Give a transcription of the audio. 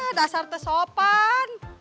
eh dasar tesopan